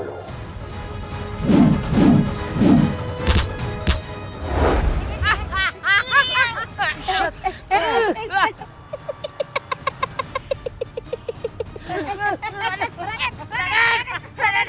luar biasa akos lebih berhati hati